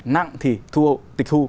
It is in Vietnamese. nặng thì tịch thu